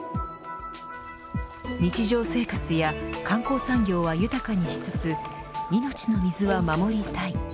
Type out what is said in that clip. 日常生活や観光産業は豊かにしつつ命の水は守りたい。